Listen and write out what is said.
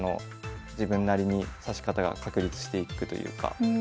自分なりに指し方が確立していくというか。